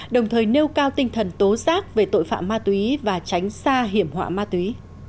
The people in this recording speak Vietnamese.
đồng thời nêu cao tinh thần tố giác về tội phạm ma túy và tránh xa hiểm họa ma túy